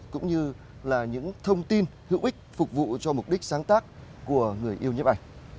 cũng như là những thông tin hữu ích phục vụ cho mục đích sáng tác của người yêu nhấp ảnh